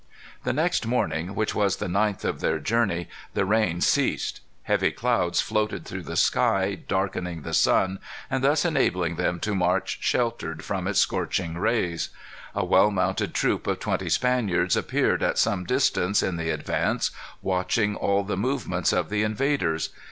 The next morning, which was the ninth of their journey, the rain ceased. Heavy clouds floated through the sky, darkening the sun, and thus enabling them to march sheltered from its scorching rays. A well mounted troop of twenty Spaniards appeared at some distance in the advance, watching all the movements of the invaders.